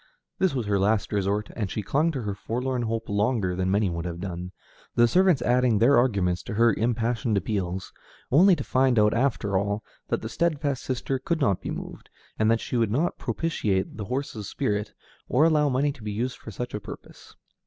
This was her last resort, and she clung to her forlorn hope longer than many would have done, the servants adding their arguments to her impassioned appeals, only to find out after all that the steadfast sister could not be moved, and that she would not propitiate the horse's spirit, or allow money to be used for such a purpose.